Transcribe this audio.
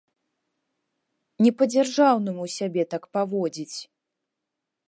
Не па-дзяржаўнаму сябе так паводзіць!